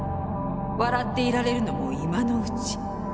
笑っていられるのも今のうち。